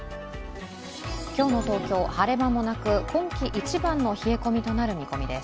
今日の東京、晴れ間もなく今季一番の冷え込みとなる見込みです。